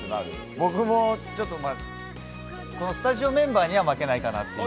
僕もこのスタジオメンバーには負けないかなという。